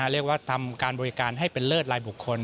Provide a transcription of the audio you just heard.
เรียกว่าทำการบริการให้เป็นเลิศรายบุคคล